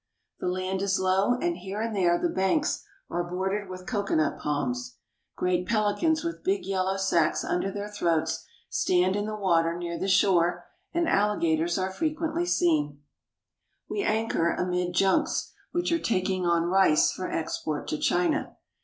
The land is low, and here and there the banks are bordered with coconut palms. Great peHcans with big yellow sacks under their throats stand in the water near the shore, and alligators are frequently seen. l84 INDO CHINA We anchor amid junks, which are taking on rice for export to China.